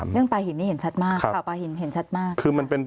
เรื่องปลาหินนี้เห็นชัดมากข่าวปลาหินเห็นชัดมาก